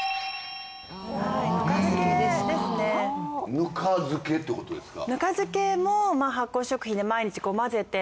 ぬか漬けってことですか。